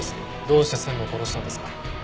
どうして専務を殺したんですか？